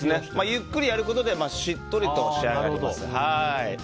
ゆっくりやることでしっとりと仕上がります。